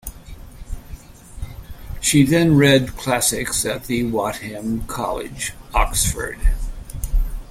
She then read Classics at Wadham College, Oxford.